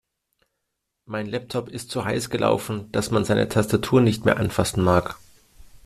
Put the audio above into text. Mein Laptop ist so heiß gelaufen, dass man seine Tastatur nicht mehr anfassen mag.